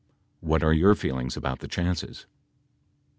What are your feelings about the chances